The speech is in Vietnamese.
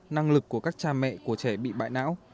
năng lực của các cha mẹ của trẻ bị bại não